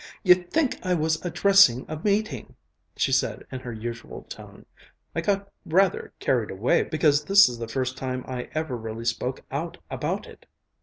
"You'd think I was addressing a meeting," she said in her usual tone. "I got rather carried away because this is the first time I ever really spoke out about it.